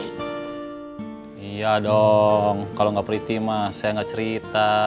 iya dong kalau gak pretty mah saya gak cerita